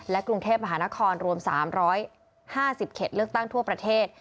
กรุงเทพมหานครรวม๓๕๐เขตเลือกตั้งทั่วประเทศ